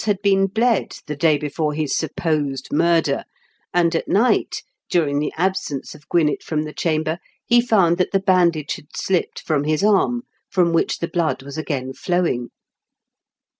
had been bled the day before his supposed murder, and at night, during the absence of Owinett from the chamber, he found that the bandage had sUpped from his arm, from which the blood was again flowing.